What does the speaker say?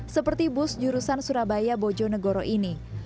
seperti bus jurusan surabaya bojo negoro ini